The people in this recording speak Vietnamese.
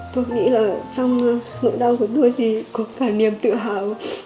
tôi nghĩ là trong nỗi đau của tuổi thì có cả niềm tự hào